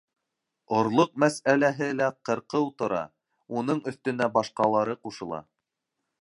Орлоҡ мәсьәләһе лә ҡырҡыу тора, уның өҫтөнә башҡалары ҡушыла.